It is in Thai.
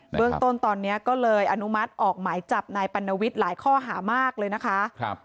เรื่องต้นตอนนี้ก็เลยอนุมัติออกหมายจับนายปัณวิทย์หลายข้อหามากเลยนะคะ